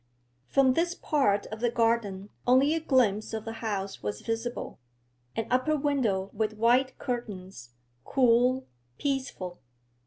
From this part of the garden only a glimpse of the house was visible; an upper window with white curtains, cool, peaceful.